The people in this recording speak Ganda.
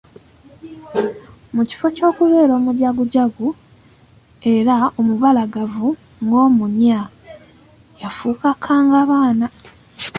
Mu kifo ky'okubeera omujagujagu era omubalagavu ng'omunya, yafuuka kkangabaana!